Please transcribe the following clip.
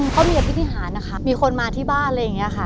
เค้ามีปฏิทธิฐานนะคะมีคนมาที่บ้านอะไรอย่างเงี้ยค่ะ